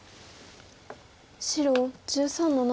白１３の七。